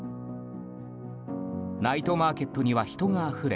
ナイトマーケットには人があふれ